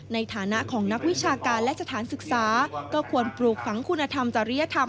ในฐานะของนักวิชาการและสถานศึกษาก็ควรปลูกฝังคุณธรรมจริยธรรม